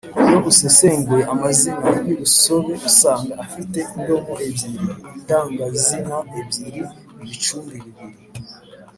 iyo usesenguye amazina y’urusobe usanga afite indomo ebyiri, indangazina ebyiri, ibicumbi bibiri